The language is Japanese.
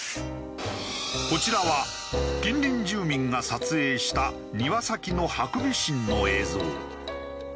こちらは近隣住民が撮影した庭先のハクビシンの映像。